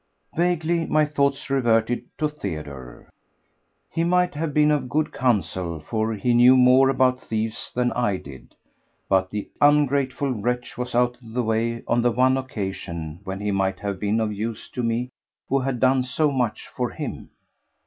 Vaguely my thoughts reverted to Theodore. He might have been of good counsel, for he knew more about thieves than I did, but the ungrateful wretch was out of the way on the one occasion when he might have been of use to me who had done so much for him.